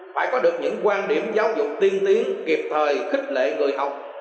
phải có được những quan điểm giáo dục tiên tiến kịp thời khích lệ người học